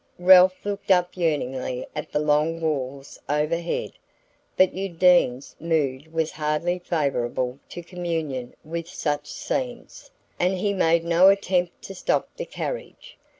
Ralph looked up yearningly at the long walls overhead; but Undine's mood was hardly favourable to communion with such scenes, and he made no attempt to stop the carriage.